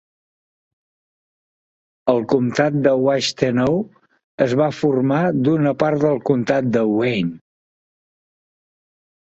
El comtat de Washtenaw es va formar d'una part del comtat de Wayne.